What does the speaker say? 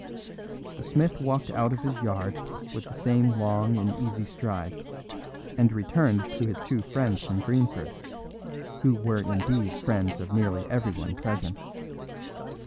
The smith walked out of his yard with the same long and easy stride, and returned to his two friends from Greenford, who were indeed friends of nearly everyone present.